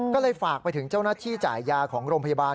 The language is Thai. ก็เลยฝากไปถึงเจ้าหน้าที่จ่ายยาของโรงพยาบาล